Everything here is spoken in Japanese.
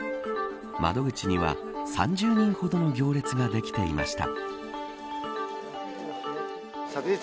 窓口には３０人ほどの行列ができていました。